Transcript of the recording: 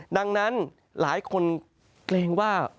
ดังนั้นหลายคนเกรงว่า